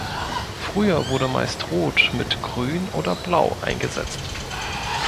Früher wurden meist Rot mit Grün oder Blau eingesetzt.